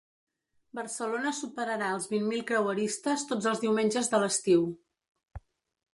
Barcelona superarà els vint mil creueristes tots els diumenges de l’estiu.